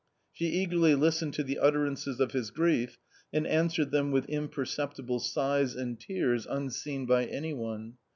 ^ She eagerly listened to the utterances of his grief, and an w .reFed them with imperceptible sighs and tears unseen by any one.